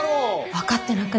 分かってなくない？